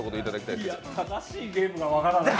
いや、正しいゲームが分からない。